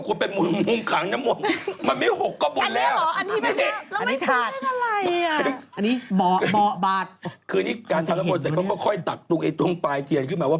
คนเป็ยลุ่มกันแบบแบบปะหนึ่งอู๋หูถังนะมุใช้แบบ